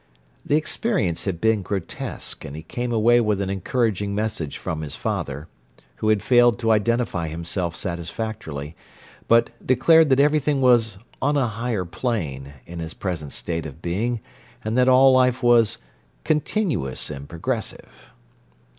The experience had been grotesque, and he came away with an encouraging message from his father, who had failed to identify himself satisfactorily, but declared that everything was "on a higher plane" in his present state of being, and that all life was "continuous and progressive."